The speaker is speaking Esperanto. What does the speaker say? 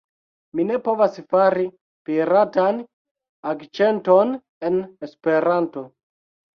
Mi ne povas fari piratan akĉenton en Esperanto